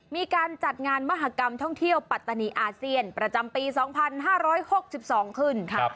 มีการจัดงานมหากรรมท่องเที่ยวปัตตานีอาเซียนประจำปี๒๕๖๒ขึ้นค่ะ